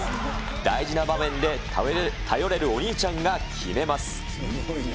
大事な場面で頼れるお兄ちゃんが決めます。